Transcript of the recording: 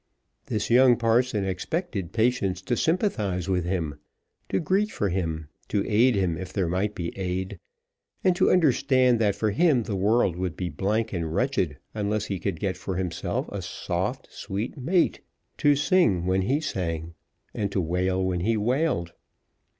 This young parson expected Patience to sympathise with him, to greet for him, to aid him if there might be aid, and to understand that for him the world would be blank and wretched unless he could get for himself a soft sweet mate to sing when he sang, and to wail when he wailed.